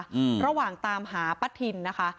อืมระหว่างตามหาป้าทินนะคะ